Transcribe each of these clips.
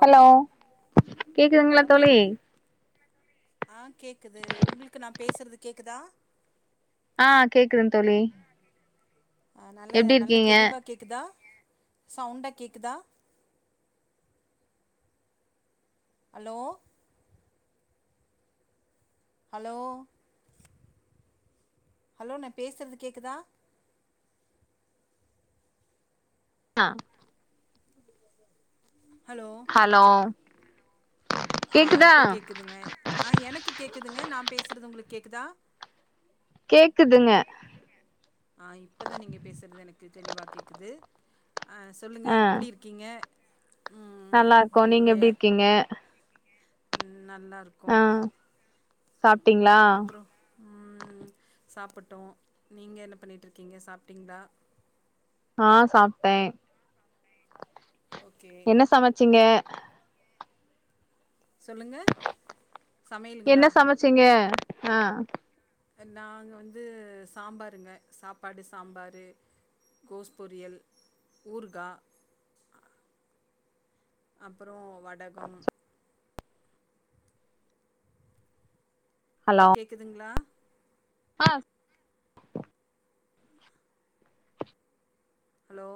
hello கேக்குதுங்ளா தொழி ஆஹ் கேக்குது உங்ளுக்கு நான் பேசுறது கேக்குதா ஆஹ் கேக்குதுங் தோழி அஹ் நல்ல எப்டி நல்லத் இருக்கீங்க தெளிவாக் கேக்குதா சவுண்டாக் கேக்குதா ஹலோ ஹலோ ஹலோ நா பேசுறது கேக்குதா ஆஹ் ஹலோ ஆஹ் கேக்குதா இப்ப கேக்குதுங்க ஆஹ் எனக்கு கேக் குதுங்க நா பேசுறது உங்களுக்கு கேக்குதா கேக்குதுங்க ஆஹ் இப்பதான் நீங்க பேசுறது எனக்கு தெளிவா கேக்குது ஆஹ் சொல்லுங்க ஆ எப்புடி இருக்கீங்க ம் நல்லா இருக்கோ நீங்க எப்டி இருக்கீங்க உம் ஆ நல்லாருக்கோம் சாப்ட்டீங்களா அப்றோம் உம் சாப்புட்டோம் நீங்க என்னப் பண்ணிட்ரிக்கிங்க சாப்ட்டீங்ளா ஆஹ் சாப்ட்டேன் ஓகே என்ன சமச்சிங்க சொல்லுங்க சமையலுங்களா என்ன சமச்சிங்க ஆஹ் நாங்க வந்து சாம்பாருங்க சாப்பாடு சாம்பாரு கோஸ் பொரியல் ஊர்கா அப்பறோம் வடகம் ஹலோ கேக்குதுங்ளா ஆஹ் ஹலோ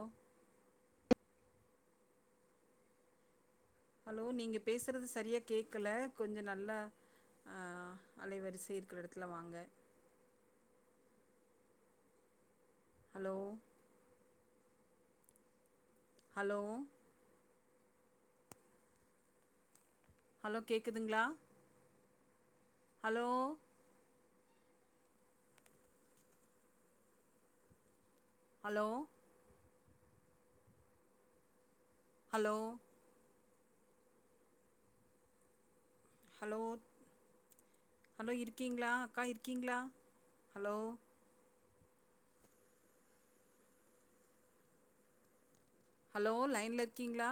ஹலோ நீங்க பேசுறது சரியாக கேக்கல கொஞ்சம் நல்லா ஆஹ் அலைவரிசை இருக்கிற இடத்துல வாங்க ஹலோ ஹலோ ஹலோ கேக்குதுங்ளா hello hello hello hello hello இருக்கீங்ளா அக்கா இருக்கீங்ளா ஹலோ ஹலோ லைன்ல இர்க்கீங்ளா